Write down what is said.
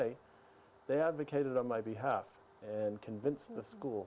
setelah delapan belas bulan pembangunan yang tipikal